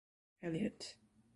Eliot.